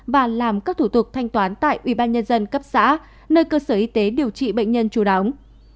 và làm các thủ tục thanh toán tại ubnd cấp xã nơi cơ sở y tế điều trị bệnh nhân chú đáo